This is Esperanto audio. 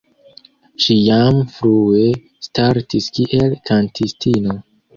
Ŝi jam frue startis kiel kantistino.